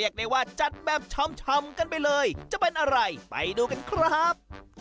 กัดแบบช่อมกันไปเลยจะเป็นอะไรไปดูกันครับ